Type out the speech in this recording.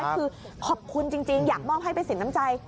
คือขอบคุณจริงอยากมอบให้เป็นสินน้ำใจ